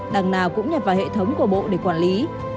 đằng nào cũng nhập vào hệ thống của bộ để quản lý